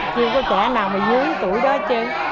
chưa có trẻ nào mà một mươi bốn tuổi đó chứ